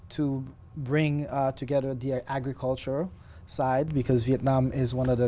tôi sẽ thích ở đây lâu hơn